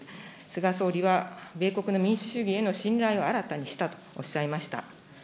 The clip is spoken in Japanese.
菅総理は米国の民主主義への信頼を新たにしたとおっしゃいました。